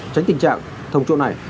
tránh tình trạng thông chỗ này